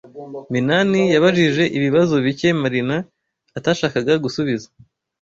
Minani yabajije ibibazo bike Marina atashakaga gusubiza.